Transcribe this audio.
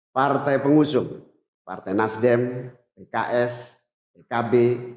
partai pengusung partai nasdem pks pkb